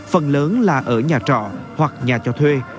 phần lớn là ở nhà trọ hoặc nhà cho thuê